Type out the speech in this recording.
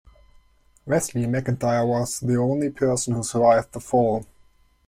Wesley MacIntire was the only person who survived the fall.